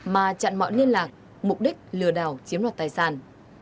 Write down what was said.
mà chặn mọi liên lạc mục đích lừa đảo chiếm đoạt tài sản